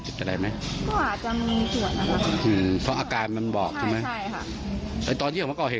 ก็อยากให้ผู้ที่เกี่ยวข้องมาช่วยรบกวนช่วยตรวจตาให้หน่อย